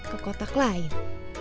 ke kotak lain